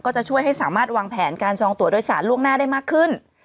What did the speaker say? จะช่วยให้สามารถวางแผนการซองตัวโดยสารล่วงหน้าได้มากขึ้น